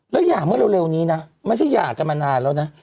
แล้วหย่าเมื่อเร็วนี้นะไม่ใช่หย่ากันมานานแล้วนะ